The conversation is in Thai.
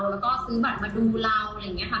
แล้วก็ซื้อบัตรมาดูเรา